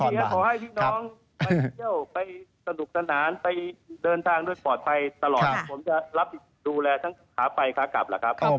ขอให้พี่น้องไปเที่ยวไปสนุกกันนาน